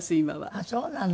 ああそうなの。